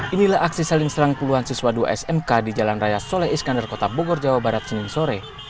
inilah aksi saling serang puluhan siswa dua smk di jalan raya soleh iskandar kota bogor jawa barat senin sore